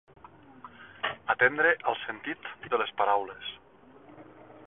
Atendre al sentit de les paraules.